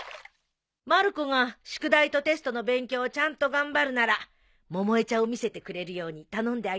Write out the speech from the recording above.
まる子が宿題とテストの勉強をちゃんと頑張るなら百恵ちゃんを見せてくれるように頼んであげるから。